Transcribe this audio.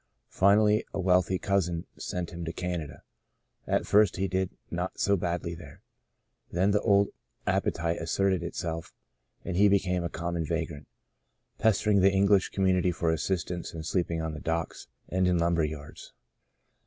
Finally a wealthy cousin sent him to Canada. At first he did not do so badly there. Then the old appe tite asserted itself and he became a common vagrant, pestering the English community for assistance and sleeping on the docks and in lumber yards.